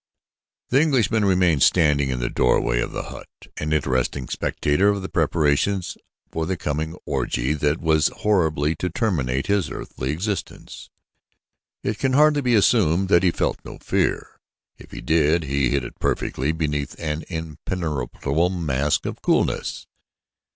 The Englishman remained standing in the doorway of the hut, an interested spectator of the preparations for the coming orgy that was so horribly to terminate his earthly existence. It can hardly be assumed that he felt no fear; yet, if he did, he hid it perfectly beneath an imperturbable mask of coolness.